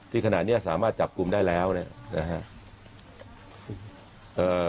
ที่ขณะนี้สามารถจับกลุ่มได้แล้วนะครับ